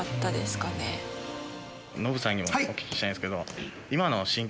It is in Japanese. ノブさんにお聞きしたいんですけど。